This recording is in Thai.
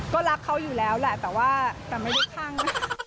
ก็รักเขาอยู่แล้วแหละแต่ว่าแต่ไม่ได้คลั่ง